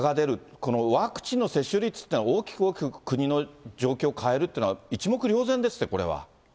このワクチンの接種率っていうのは、大きく大きく国の状況を変えるっていうのは、一目瞭然ですね、これは。